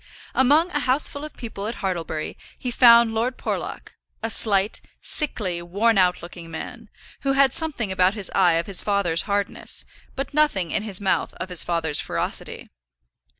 Among a houseful of people at Hartlebury, he found Lord Porlock, a slight, sickly, worn out looking man, who had something about his eye of his father's hardness, but nothing in his mouth of his father's ferocity.